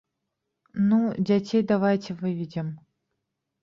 Ну, дзяцей давайце выведзем.